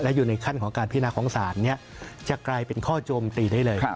อยู่ในขั้นของการพินาของศาลจะกลายเป็นข้อโจมตีได้เลย